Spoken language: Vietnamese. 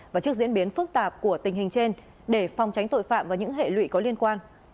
và trước diễn biến phức tạp của tình hình trên để phòng tránh tội phạm và những hệ lụy có liên quan